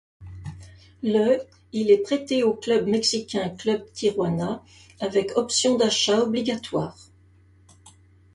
Le il est prêté au club mexicain Club Tijuana avec option d'achat obligatoire.